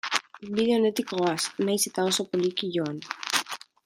Bide onetik goaz, nahiz eta oso poliki joan.